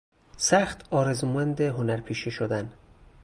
سخت آرزومند هنرپیشه شدن